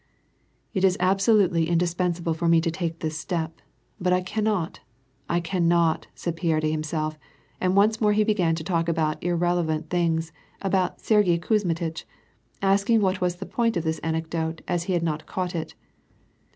" It is absolutely indispensable for me to take this step, bat I cannot, I ciinnot I " said Pierre to himself, and once more lie l)egan to talk about irrelevant things, about " Sergyei Kuz mitch," asking what was the point of this anecdote, as he had not caught it.